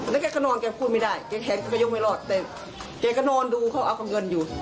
แล้วแกก็นอนแกพูดไม่ได้แกแขนแกก็ยกไม่รอดแต่แกก็นอนดูเขาเอากับเงินอยู่